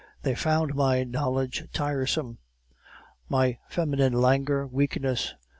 They found my knowledge tiresome; my feminine languor, weakness.